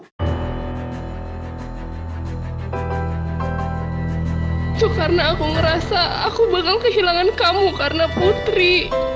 itu karena aku ngerasa aku bakal kehilangan kamu karena putri